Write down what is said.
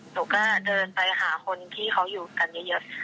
หนูก็เดินไปหาคนที่เขาอยู่กันเยอะ